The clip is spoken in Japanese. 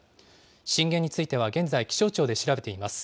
震源については現在、気象庁で調べています。